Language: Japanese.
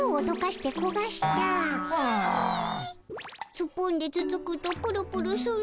スプーンでつつくとプルプルする。